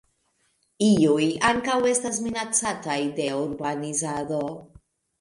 Iuj ankaŭ estas minacataj de urbanizado.